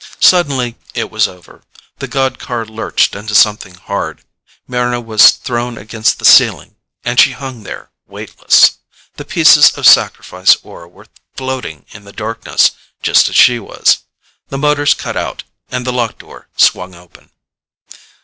Suddenly it was over. The god car lurched into something hard. Mryna was thrown against the ceiling and she hung there, weightless. The pieces of sacrifice ore were floating in the darkness just as she was. The motors cut out and the lock door swung open.